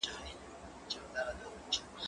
هغه وويل چي لیکل ضروري دي